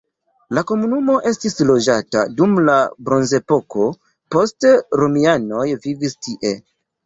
La komunumo estis loĝata dum la bronzepoko, poste romianoj vivis tie.